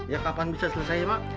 ya kapan bisa selesai pak